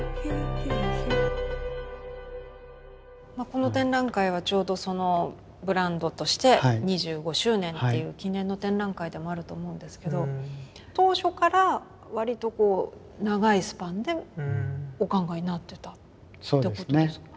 この展覧会はちょうどそのブランドとして２５周年っていう記念の展覧会でもあると思うんですけど当初からわりとこう長いスパンでお考えになってたってことですか？